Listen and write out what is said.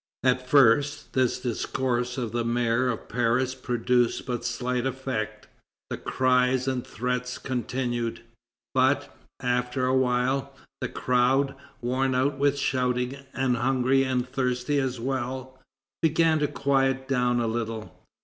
At first this discourse of the mayor of Paris produces but slight effect. The cries and threats continue. But, after a while, the crowd, worn out with shouting, and hungry and thirsty as well, begin to quiet down a little.